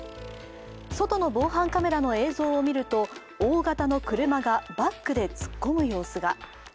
外の防犯カメラの映像をみると大型の車がバックで突っ込む様子が。